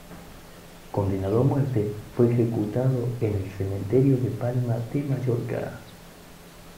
Condenado a muerte, fue ejecutado en el cementerio de Palma de Mallorca.